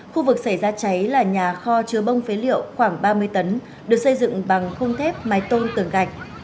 khu vực xảy ra cháy là nhà kho chứa bông phế liệu khoảng ba mươi tấn được xây dựng bằng khung thép mái tôn tường gạch